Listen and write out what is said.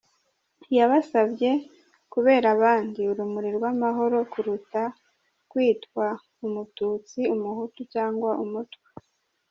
Yabasabye kubera abandi urumuri rw’amahoro kuruta kwitwa umututsi, umuhutu cyangwa umutwa.